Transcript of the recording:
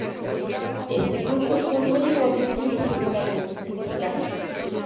Este concurso no llegó a concluirse por la Revolución Mexicana.